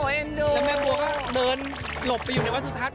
แม่บัวก็เดินหลบไปอยู่ในวัดสุทัศน